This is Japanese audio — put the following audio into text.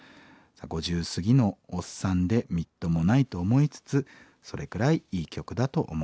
５０過ぎのおっさんでみっともないと思いつつそれくらいいい曲だと思います」。